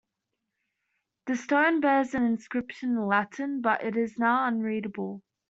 The stone bears an inscription in Latin, but it is now unreadable.